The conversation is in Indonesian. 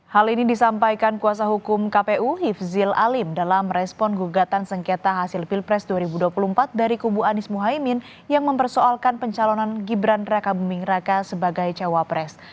hal ini disampaikan kuasa hukum kpu hivzil alim dalam respon gugatan sengketa hasil pilpres dua ribu dua puluh empat dari kubu anies muhaymin yang mempersoalkan pencalonan gibran raka buming raka sebagai cawapres